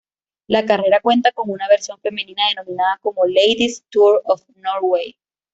La carrera cuenta con una versión femenina denominada como Ladies Tour of Norway.